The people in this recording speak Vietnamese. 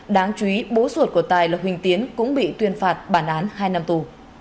đáng chú ý bố suột của tài là huỳnh tiến cũng bị tuyên phạt bản án hai năm tù